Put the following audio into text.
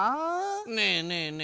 ねえねえねえ。